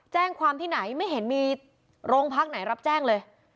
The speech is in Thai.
แจ้งความที่ไหนไม่เห็นมีโรงพักไหนรับแจ้งเลย